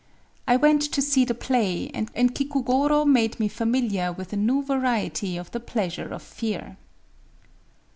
I went to see the play; and Kikugorō made me familiar with a new variety of the pleasure of fear.